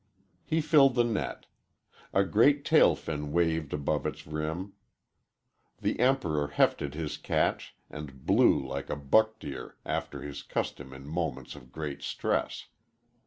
He filled the net. A great tail fin waved above its rim. The Emperor hefted his catch and blew like a buck deer, after his custom in moments of great stress.